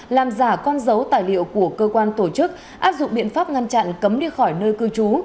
làm giả con dấu tài liệu của cơ quan tổ chức áp dụng biện pháp ngăn chặn cấm đi khỏi nơi cư trú